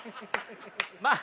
まあ。